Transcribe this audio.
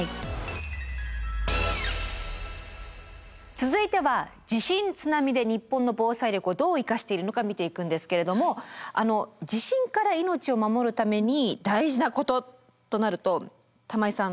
続いては地震津波で日本の防災力をどう生かしているのか見ていくんですけれども地震から命を守るために大事なこととなると玉井さん